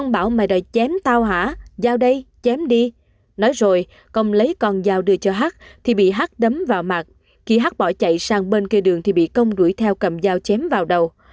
bên kia đường thì bị công đuổi theo cầm dao chém vào đầu